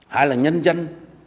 hai là nhân dân